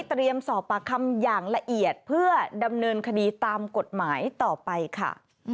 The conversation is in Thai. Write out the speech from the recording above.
สอบปากคำอย่างละเอียดเพื่อดำเนินคดีตามกฎหมายต่อไปค่ะ